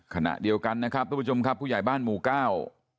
ขณะเดียวกันนะครับตัวประจำครับคุณใหญ่บ้านหมู่ก้าว